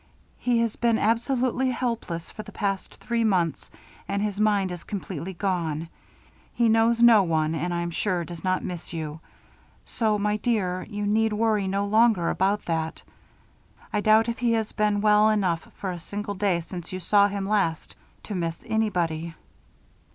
He has been absolutely helpless for the past three months and his mind is completely gone. He knows no one and I am sure does not miss you, so, my dear, you need worry no longer about that. I doubt if he has been well enough, for a single day since you saw him last, to miss anybody.'"